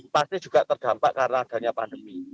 pasti juga terdampak karena adanya pandemi